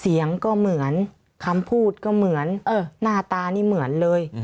เสียงก็เหมือนคำพูดก็เหมือนหน้าตานี่เหมือนเลย